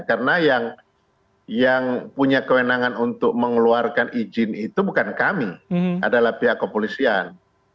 karena yang punya kewenangan untuk mengeluarkan izin itu bukan kami adalah pihak kepolisian